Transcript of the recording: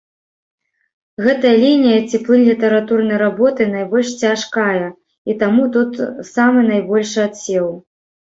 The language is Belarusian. Гэтая лінія ці плынь літаратурнай работы найбольш цяжкая, і таму тут самы найбольшы адсеў.